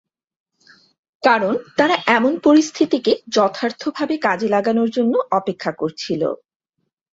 কারণ, তারা এমন পরিস্থিতিকে যথার্থভাবে কাজে লাগানোর জন্য অপেক্ষা করছিল।